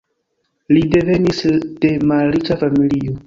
Li devenis de malriĉa familio.